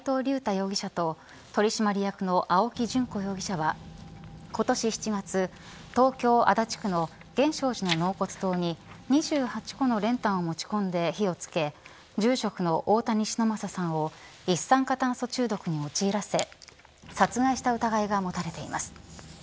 容疑者と取締役の青木淳子容疑者は今年７月東京・足立区の源証寺の納骨堂に２８個の練炭を持ち込んで火を付け住職の大谷忍昌さんを一酸化炭素中毒に陥らせ殺害した疑いが持たれています。